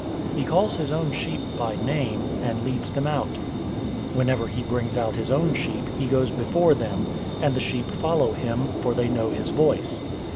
He calls his own sheep by name, and leads them out. 010:004 Whenever he brings out his own sheep, he goes before them, and the sheep follow him, for they know his voice.